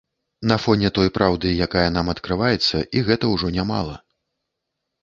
На фоне той праўды, якая нам адкрываецца, і гэта ўжо нямала.